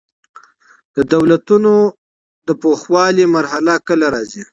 د دولتونو د پوخوالي مرحله کله راځي؟